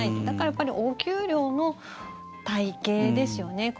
だから、お給料の体系ですよね。